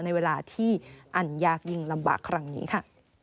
ในเวลาที่อันยากยิ่งลำบากครั้งนี้ค่ะ